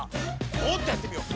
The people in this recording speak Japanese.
もっとやってみよう！